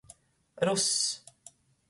Russ.